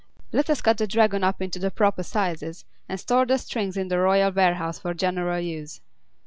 Let us cut the Dragon up into the proper sizes, and store the strings in the royal warehouse for general use."